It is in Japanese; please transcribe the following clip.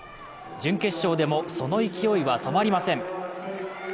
準決勝でもその勢いは止まりません。